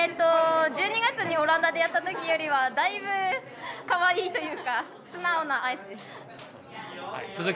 １２月にオランダでやったときよりはだいぶかわいいというか素直なアイスです。